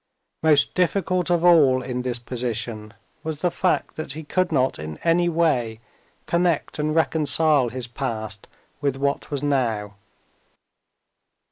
Most difficult of all in this position was the fact that he could not in any way connect and reconcile his past with what was now.